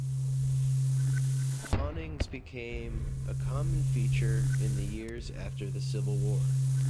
Awnings became a common feature in the years after the Civil War.